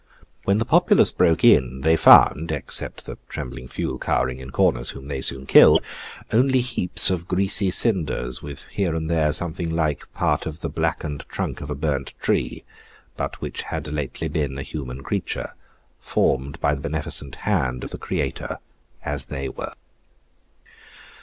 When the populace broke in, they found (except the trembling few, cowering in corners, whom they soon killed) only heaps of greasy cinders, with here and there something like part of the blackened trunk of a burnt tree, but which had lately been a human creature, formed by the beneficent hand of the Creator as they were.